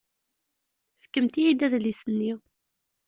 Fkemt-iyi-d adlis-nni.